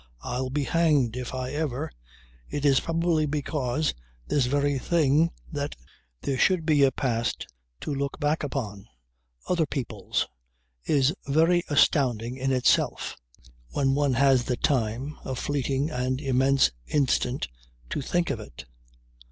I'll be hanged if I ever, ...' it is probably because this very thing that there should be a past to look back upon, other people's, is very astounding in itself when one has the time, a fleeting and immense instant to think of it